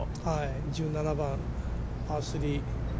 １７番、パー３。